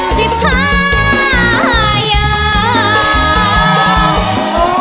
สิบห้าเยอะ